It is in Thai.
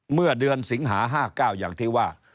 เมื่อเดือนสิงหา๕๙อย่างที่ว่า